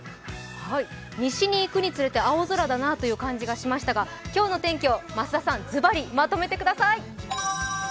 西に行くにつれて、青空だなという感じがしましたが今日の天気を増田さんずばりまとめてください。